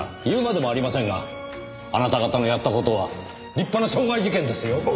言うまでもありませんがあなた方のやった事は立派な傷害事件ですよ！